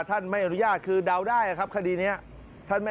แอม